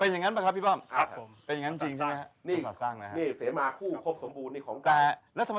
เป็นอย่างนั้นปะครับพี่ป้อมเป็นอย่างนั้นจริงใช่ไหมครับ